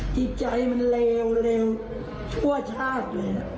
ที่ใจมันเลวชั่วชาติเลย